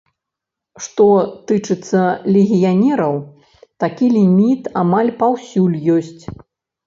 Што тычыцца легіянераў, такі ліміт амаль паўсюль ёсць.